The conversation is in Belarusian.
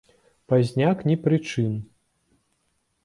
Пазняк ні пры чым.